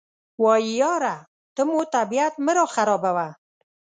وایي یاره ته مو طبیعت مه راخرابوه.